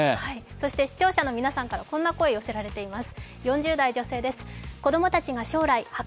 そして視聴者の皆さんからこんな声が寄せられています。